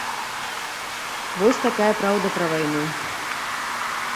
Вось такая праўда пра вайну.